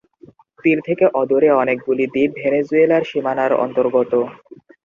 তীর থেকে অদূরে অনেকগুলি দ্বীপ ভেনেজুয়েলার সীমানার অন্তর্গত।